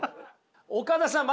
岡田さん